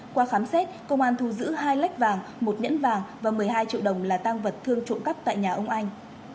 qua khám xét công an thu giữ hai lách vàng một nhẫn vàng và một mươi hai triệu đồng là tang vật thương trộm cắp tại nhà ông anh